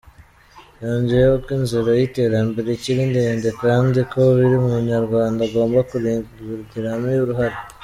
Yongeyeho ko inzira y’iterambere ikiri ndende kandi ko buri Munyarwanda agomba kurigiramo uruhare.